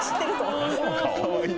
かわいい。